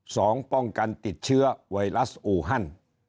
สองป้องกันติดเชื้อไวรัสอูฮัน